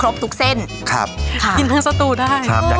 ลวกเลยนะอันไหนคะอันเล็ก